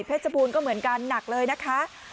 บูรณก็เหมือนกันหนักเลยนะคะ